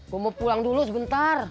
mau pulang dulu sebentar